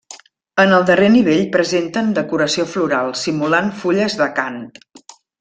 En el darrer nivell presenten decoració floral, simulant fulles d'acant.